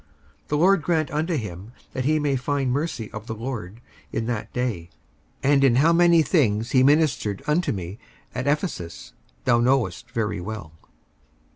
55:001:018 The Lord grant unto him that he may find mercy of the Lord in that day: and in how many things he ministered unto me at Ephesus, thou knowest very well.